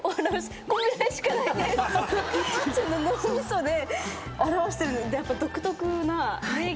脳みそで表してる。